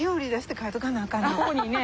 ここにね。